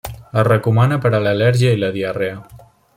Es recomana per a l'al·lèrgia i la diarrea.